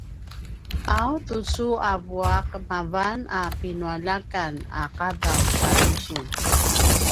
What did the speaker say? ’aw tucu a vua’ mavan a pinualjakan a ’adav tjanusun